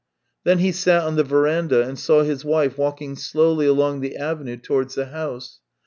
Then he sat on the verandah and saw his wife walking slowly along the avenue towards the house.